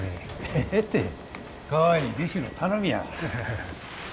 ええてかわいい弟子の頼みや。